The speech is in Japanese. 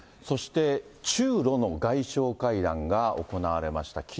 そして中ロの外相会談が行われました。